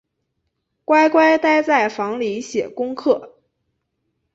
乖乖待在房里写功课